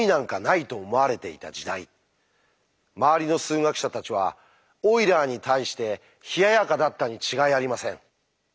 周りの数学者たちはオイラーに対して冷ややかだったに違いありません。